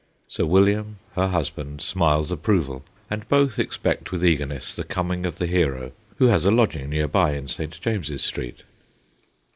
Sir William, her husband, smiles approval, and both expect with eagerness the coming of the hero, who has a lodging near by, in St. James's Street.